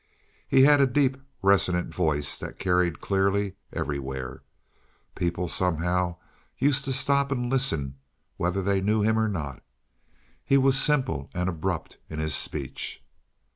He had a deep, resonant voice that carried clearly everywhere; people somehow used to stop and listen whether they knew him or not. He was simple and abrupt in his speech.